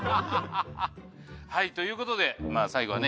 はいということで最後はね